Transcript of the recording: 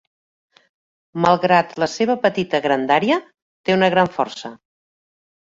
Malgrat la seva petita grandària, té una gran força.